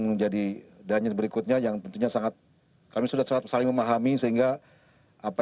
menjadi dance berikutnya yang tentunya sangat kami sudah sangat saling memahami sehingga apa